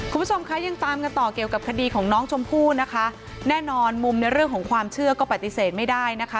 คุณผู้ชมคะยังตามกันต่อเกี่ยวกับคดีของน้องชมพู่นะคะแน่นอนมุมในเรื่องของความเชื่อก็ปฏิเสธไม่ได้นะคะ